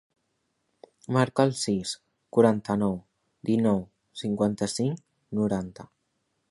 Marca el sis, quaranta-nou, dinou, cinquanta-cinc, noranta.